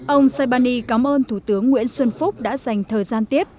ông saibani cảm ơn thủ tướng nguyễn xuân phúc đã dành thời gian tiếp